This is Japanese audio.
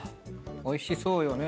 おいしそうよね